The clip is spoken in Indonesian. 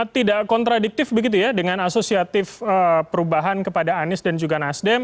tidak kontradiktif begitu ya dengan asosiatif perubahan kepada anies dan juga nasdem